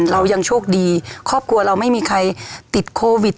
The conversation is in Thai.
เรายังโชคดีครอบครัวเราไม่มีใครติดโควิด